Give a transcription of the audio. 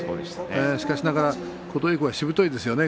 しかしながら琴恵光はしぶといですね。